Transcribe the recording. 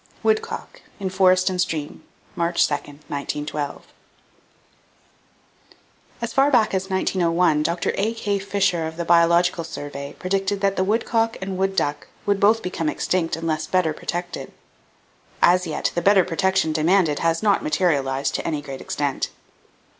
("Woodcock" in Forest and Stream, Mar. 2, 1912.) As far back as 1901, Dr. A.K. Fisher of the Biological Survey predicted that the woodcock and wood duck would both become extinct unless better protected. As yet, the better protection demanded has not materialized to any great extent.